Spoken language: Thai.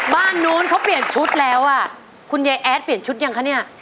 บ้านนู้นเขาเปลี่ยนชุดแล้วอ่ะคุณยายแอดเปลี่ยนชุดยังคะเนี่ย